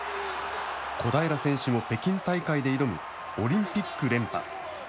小平選手も北京大会で挑むオリンピック連覇。